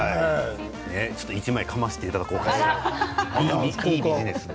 １枚かませていただこうかと思います。